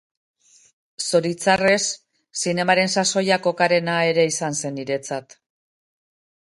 Zoritxarrez, zinemaren sasoia kokarena ere izan zen niretzat.